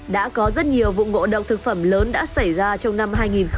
đã có rất nhiều vụ ngộ độc thực phẩm lớn đã xảy ra trong năm hai nghìn một mươi chín